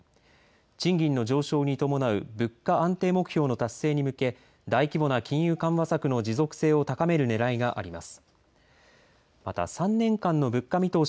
賃金の上昇に伴う物価安定目標の達成に向け、大規模な金融緩和策の持続性を高めるねらいがあります。